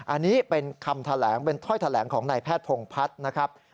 อันนี้เป็นคำแท้แหลงเป็นถ้อยแท้แหลงของนายแพทย์ธงพัฒน์